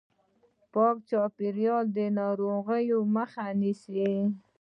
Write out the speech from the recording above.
پاک چاپیریال د ناروغیو مخه نیسي.